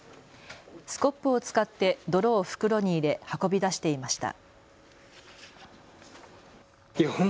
スコップを使って泥を袋に入れ運び出していました。